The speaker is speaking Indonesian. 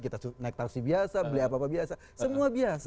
kita naik taksi biasa beli apa apa biasa semua biasa